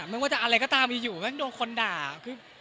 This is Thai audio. ไม่ว่าจะอะไรก็ตามให้อยู่แป้งโดนคนแด่